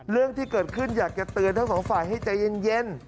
เรื่องที่เกิดขึ้นอยากจะเตือนทั้งสองฝ่ายให้ใจเย็น